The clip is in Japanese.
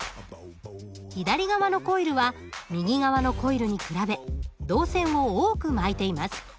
左側のコイルは右側のコイルに比べ導線を多く巻いています。